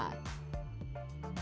lewat rusunami nuansa pondok lapa